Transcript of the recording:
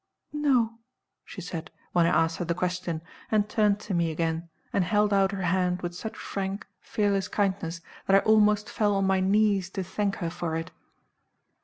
"No," she said when I asked her the question, and turned to me again, and held out her hand with such frank, fearless kindness, that I almost fell on my knees to thank her for it.